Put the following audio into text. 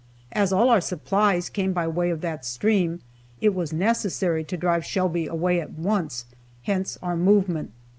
As all our supplies came by way of that stream, it was necessary to drive Shelby away at once, hence our movement.